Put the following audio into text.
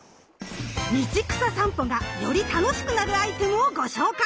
道草さんぽがより楽しくなるアイテムをご紹介！